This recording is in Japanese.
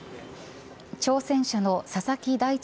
挑戦者の佐々木大地